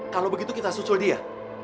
kalau begitu kita susul dia